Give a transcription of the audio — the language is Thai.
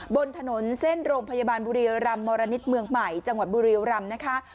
บนถนนเส้นโรงพยาบาลบุรีรำมรณิตเมืองใหม่จังหวัดบุรียรำนะคะ